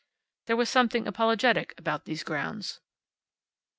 There was something apologetic about these grounds.